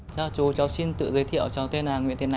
chào chú cháu xin tự giới thiệu